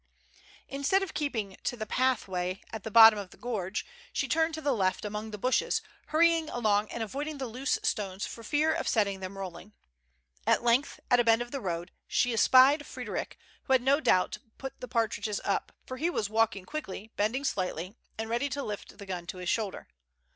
Instead of keeping to the pathway at the bottom of the gorge, she turned to tlie left among the bushes, hur rying along and avoiding the loose stones for fear of set MURDEROUS ATTEMPTS. 143 ting them rolling. At length, at a bend of the road, she espied Frederic, who had no doubt put the partridges up, for he was walking quickly, bending slightly, and ready to lift his gun to his shoulder.